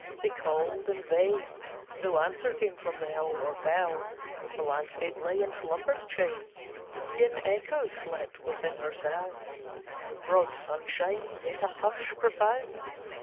They called, in vain, No answer came from hill or fell, The landscape lay in slumber's chain, E'en Echo slept within her cell. Broad sunshine, yet a hush profound!